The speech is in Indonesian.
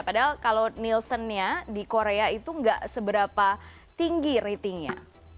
padahal kalau nielsennya di korea itu nggak seberapa tinggi ratingnya